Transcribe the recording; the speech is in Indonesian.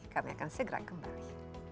kami akan segera kembali